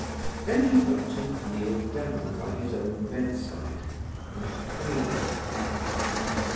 Then he went and kneeled down by his own bedside, and prayed.